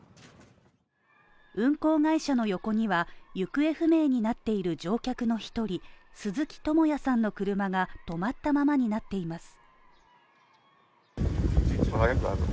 運航会社の横には行方不明になっている乗客の１人、鈴木智也さんの車が止まったままになっています。